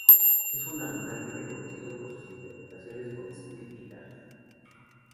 Es fundamentalmente conocido por sus interpretaciones con steel guitar.